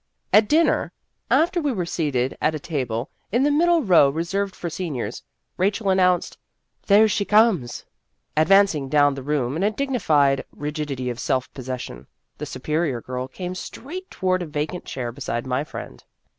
At dinner, after we were seated at a table in the middle row reserved for seniors, Rachel announced, " There she comes." Advancing down the room in a digni fied rigidity of self possession, the Superior Girl came straight toward a vacant chair beside my friend.